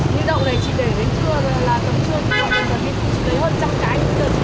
như đậu này chỉ để đến trưa là tấm trưa còn đậu này chỉ để hơn trăm cái